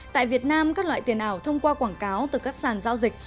tại việt nam các loại tiền ảo thông qua quảng cáo từ các sàn giao dịch